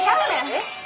えっ？